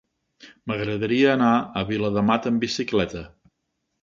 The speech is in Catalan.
M'agradaria anar a Viladamat amb bicicleta.